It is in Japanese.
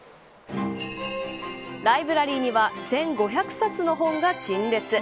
ライブラリーには１５００冊の本が陳列。